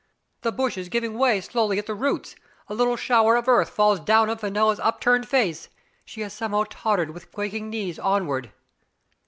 The bush is giving way slowly at the roots. A little shower of earth falls down on Fenella's upturned face; she has somehow tot tered with quaking knees onward.